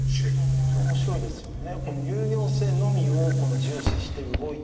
それ面白いですよね。